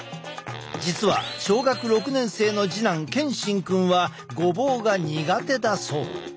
実は小学６年生の次男健心くんはごぼうが苦手だそう。